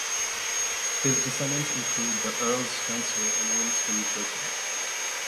His descendants include the Earls Spencer and Winston Churchill.